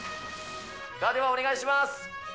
では、お願いします。